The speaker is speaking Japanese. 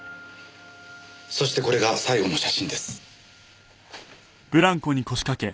そしてこれが最後の写真です。